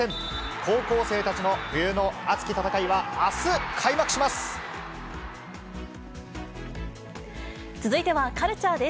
高校生たちの冬の熱き戦いはあす続いてはカルチャーです。